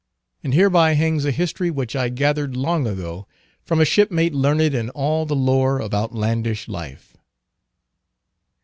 And hereby hangs a history which I gathered long ago from a shipmate learned in all the lore of outlandish life.